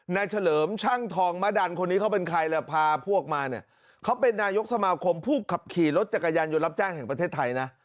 เฉลิมช่างทองมะดันคนนี้เขาเป็นใครล่ะพาพวกมาเนี่ยเขาเป็นนายกสมาคมผู้ขับขี่รถจักรยานยนต์รับจ้างแห่งประเทศไทยนะ